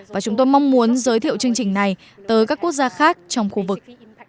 và chúng tôi mong muốn giới thiệu chương trình này tới các quốc gia khác trong khu vực